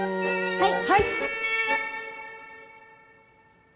はい！